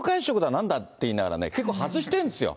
なんだっていいながらね、結構、外してるんですよ。